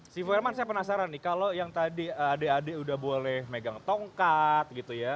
si bu herman saya penasaran nih kalau yang tadi adik adik udah boleh megang tongkat gitu ya